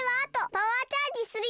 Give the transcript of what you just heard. パワーチャージするよ！